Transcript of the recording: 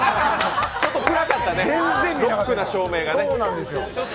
ちょっと暗かったね、ロックな照明がね。